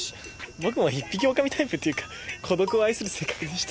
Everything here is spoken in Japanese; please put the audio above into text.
僕も一匹狼タイプっていうか孤独を愛する性格でして。